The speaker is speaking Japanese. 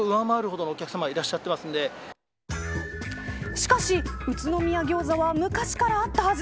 しかし宇都宮ギョーザは昔から人気があったはず。